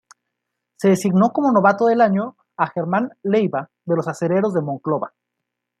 Se designó como novato del año a Germán Leyva de los Acereros de Monclova.